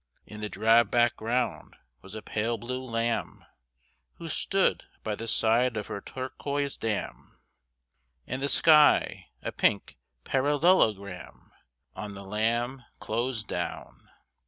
In the drab background was a pale blue lamb Who stood by the side of her turquoise dam, And the sky a pink parallelogram On the lamb closed down.